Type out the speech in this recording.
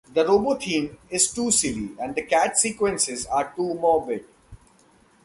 The robot theme is too silly, and the cat sequences are too morbid.